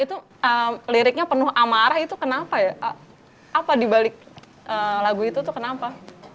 itu liriknya penuh amarah itu kenapa ya apa dibalik lagu itu tuh kenapa